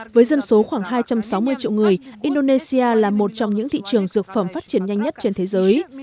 với dân số khoảng hai trăm sáu mươi triệu người indonesia là một trong những thị trường dược phẩm phát triển nhanh nhất trên thế giới